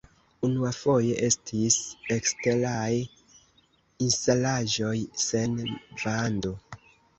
Unuafoje estis eksteraj instalaĵoj sen vando.